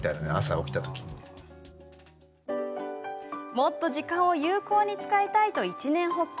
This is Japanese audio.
もっと時間を有効に使いたいと一念発起。